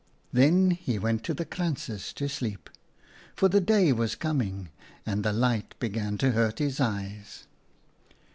Then he went to the krantzes to sleep, for the day was coming and the light began to hurt his eyes.